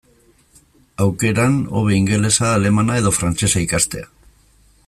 Aukeran, hobe ingelesa, alemana edo frantsesa ikastea.